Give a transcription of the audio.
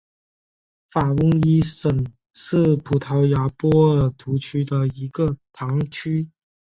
法翁伊什是葡萄牙波尔图区的一个堂区。